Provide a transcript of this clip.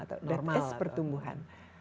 that is pertumbuhan normal atau